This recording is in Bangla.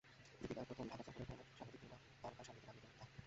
দীপিকার প্রথম ঢাকা সফরে কোনো সাংবাদিক কিংবা তারকা সান্নিধ্য পাননি তাঁর।